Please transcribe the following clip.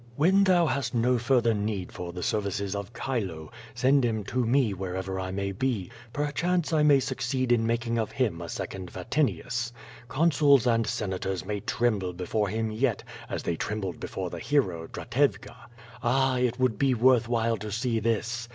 Wlien thou hast no further need for the services of Chile, send him to me wher ever I may be. Perchance I may succeed in making of him a second Yatinius. Consuls and Senators may tremble before him yet, as they trembled before the hero, Dratevka. Ah, it would be worth while to see this!